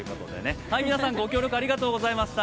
皆さん、ご協力ありがとうございました。